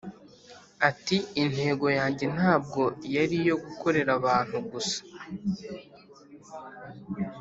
ati: “intego yanjye ntabwo yari iyo gukorera abantu gusa,